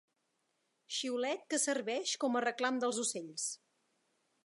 Xiulet que serveix com a reclam dels ocells.